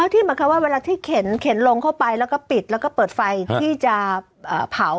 ที่หมายความว่าเวลาที่เข็นลงเข้าไปแล้วก็ปิดแล้วก็เปิดไฟที่จะเผา